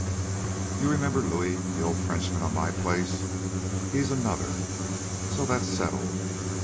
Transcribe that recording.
You remember Louis, the old Frenchman, on my place? He's another. So that's settled.